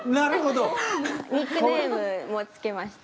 ニックネームも付けました。